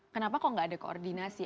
kenapa kok nggak ada koordinasi